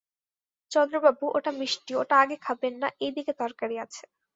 চন্দ্রবাবু, ওটা মিষ্টি, ওটা আগে খাবেন না, এই দিকে তরকারি আছে।